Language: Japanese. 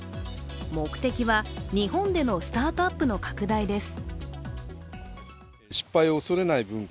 目的は日本でのスタートアップの拡大です。